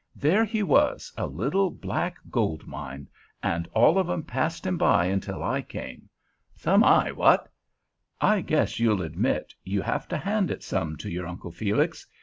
There he was, a little black gold mine, and all of 'em passed him by until I came. Some eye? What? I guess you'll admit you have to hand it some to your Uncle Felix.